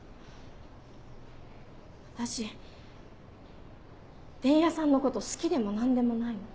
私伝弥さんのこと好きでも何でもないの。